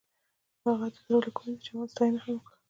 هغې د زړه له کومې د چمن ستاینه هم وکړه.